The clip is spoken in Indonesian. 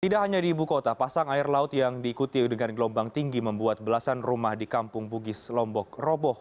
tidak hanya di ibu kota pasang air laut yang diikuti dengan gelombang tinggi membuat belasan rumah di kampung bugis lombok roboh